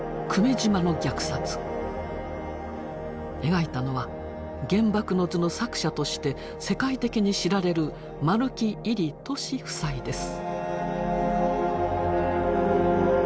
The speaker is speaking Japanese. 描いたのは「原爆の図」の作者として世界的に知られる丸木位里・俊夫妻です。